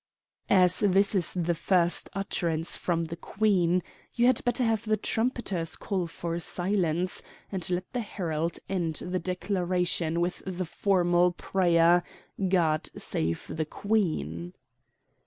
"As this is the first utterance from the Queen, you had better have the trumpeters call for silence, and let the herald end the declaration with the formal prayer, God save the Queen."